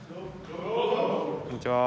こんにちは。